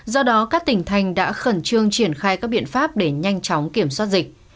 do đó các tỉnh thành đã khẩn trương triển khai các biện pháp để nhanh chóng kiểm soát dịch